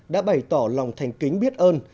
đã bày tỏ lòng thành kính biết ơn